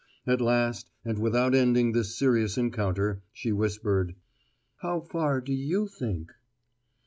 At last, and without ending this serious encounter, she whispered: "How far do you think?"